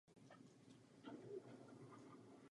Ve školách se neučí rumunsky.